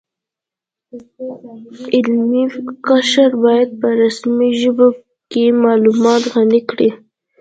علمي قشر باید په رسمي ژبو کې معلومات غني کړي